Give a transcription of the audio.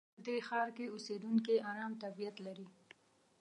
په دې ښار کې اوسېدونکي ارام طبیعت لري.